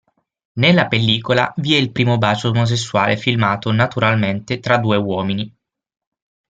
Nella pellicola vi è il primo bacio omosessuale filmato "naturalmente" tra due uomini.